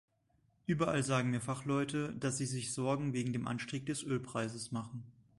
Überall sagen mir Fachleute, dass sie sich Sorgen wegen dem Anstieg des Ölpreises machen.